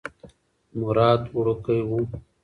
مراد وړوکی و.